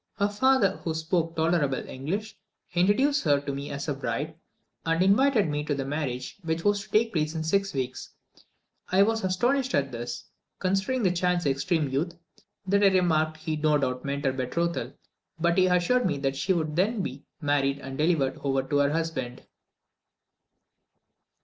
Her father, who spoke tolerable English, introduced her to me as a bride, and invited me to the marriage which was to take place in six weeks. I was so astonished at this, considering the child's extreme youth, that I remarked he no doubt meant her betrothal, but he assured me that she would then be married and delivered over to her husband.